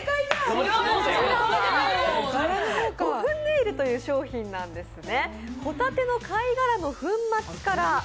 胡粉ネイルという商品なんですね。